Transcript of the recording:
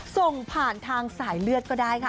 ส่งผ่านทางสายเลือดก็ได้ค่ะ